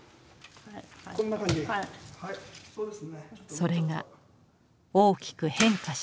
それが大きく変化した。